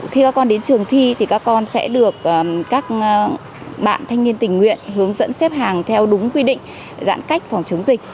khi các con đến trường thi thì các con sẽ được các bạn thanh niên tình nguyện hướng dẫn xếp hàng theo đúng quy định giãn cách phòng chống dịch